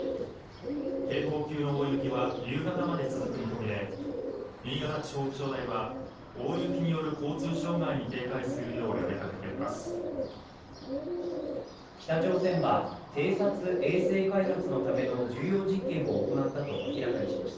警報級の大雪は夕方まで続く見込みで新潟地方気象台は大雪による交通障害に警戒するよう呼びかけています。